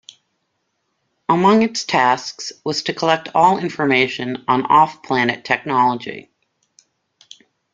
Among its tasks was to collect all information on off-planet technology.